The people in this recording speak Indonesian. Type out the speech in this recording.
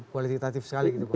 kualitatif sekali gitu pak